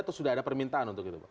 atau sudah ada permintaan untuk itu pak